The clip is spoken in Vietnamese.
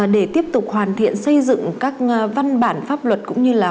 để tiếp tục hoàn thiện xây dựng các văn bản pháp luật cũng như là